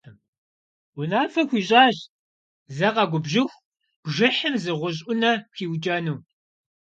Унафэ хуищӀащ зэ къэгубжьыху бжыхьым зы гъущӀ Ӏунэ хиукӀэну.